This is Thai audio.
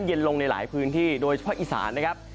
เย็นลงในหลายพื้นที่โดยเฉพาะอีสานนะครับ